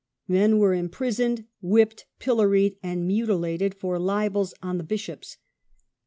Men were imprisoned, whipped, pilloried, and mutilated for libels on the bishops.